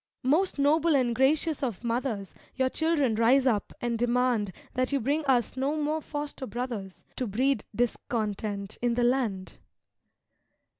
Most noble and gracious of mothers, Your children rise up and demand That you bring us no more foster brothers, To breed discontent in the land.